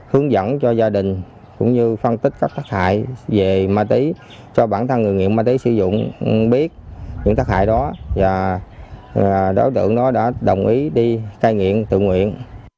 hướng dẫn cho gia đình cũng như phân tích các tác hại về ma tí cho bản thân người nghiện ma túy sử dụng biết những tác hại đó và đối tượng đó đã đồng ý đi cai nghiện tự nguyện